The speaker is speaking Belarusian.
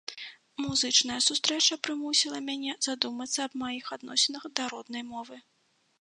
Музычная сустрэча прымусіла мяне задумацца аб маіх адносінах да роднай мовы.